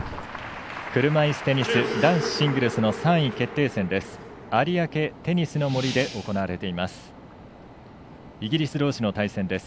車いすテニス男子シングルスの３位決定戦です。